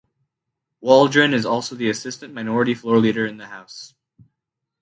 Waldron is also the assistant minority floor leader in the House.